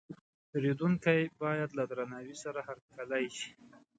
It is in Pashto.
پیرودونکی باید له درناوي سره هرکلی شي.